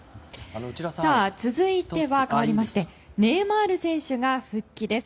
続いては、かわりましてネイマール選手が復帰です。